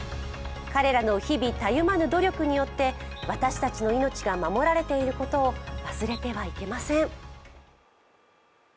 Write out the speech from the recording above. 彼らの日々たゆまぬ努力によって私たちの命が守られていることを忘れてはいけません。